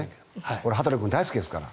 俺、羽鳥君大好きですから。